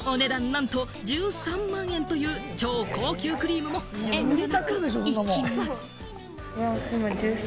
なんと１３万円という超高級クリームも遠慮なく行きます。